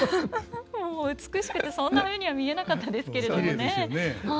もう美しくてそんなふうには見えなかったですけれどもね。